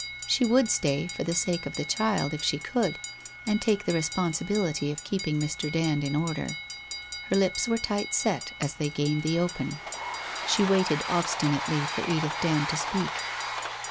She would stay, for the sake of the child, if she could, and take the responsibility of keeping Mr. Dand in order. ... Her lips were tight set as they gained the open. She waited obstinately for Edith Dand to speak.